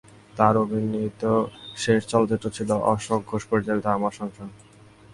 তার অভিনীত শেষ চলচ্চিত্র ছিল অশোক ঘোষ পরিচালিত "আমার সংসার"।